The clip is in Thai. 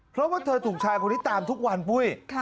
เพราะว่าเธอถูกชายคนนี้ตามทุกวันปุ้ย